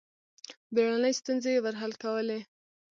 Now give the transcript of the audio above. بېړنۍ ستونزې یې ور حل کولې.